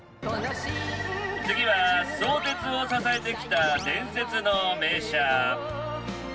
次は相鉄を支えてきた伝説の名車。